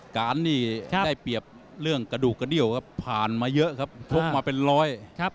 การนี่ได้เปรียบเรื่องกระดูกกระเดี้ยวครับผ่านมาเยอะครับชกมาเป็นร้อย